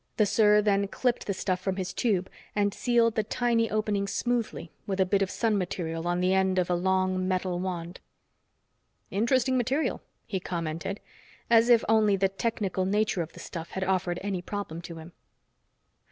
The Ser then clipped the stuff from his tube and sealed the tiny opening smoothly with a bit of sun material on the end of a long metal wand. "Interesting material," he commented, as if only the technical nature of the stuff had offered any problem to him.